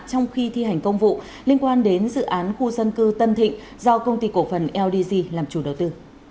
trong khi thi hành công vụ liên quan đến dự án khu dân cư tân thịnh do công ty cổ phần ldg làm chủ đầu tư